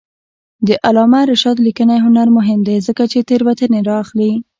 د علامه رشاد لیکنی هنر مهم دی ځکه چې تېروتنې رااخلي.